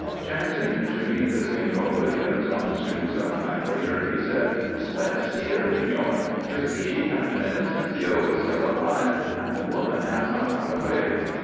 Chancing to meet the Señor Williams on the street some time later, he said: "Buenas dias, señor! You see, Captain Inocencio is still alive and the woman has not run away."